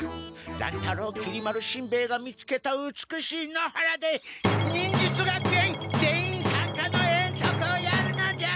乱太郎きり丸しんべヱが見つけた美しい野原で忍術学園全員さんかの遠足をやるのじゃ！